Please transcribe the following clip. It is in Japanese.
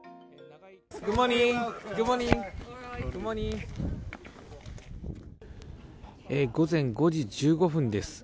午前５時１５分です。